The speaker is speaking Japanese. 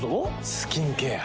スキンケア。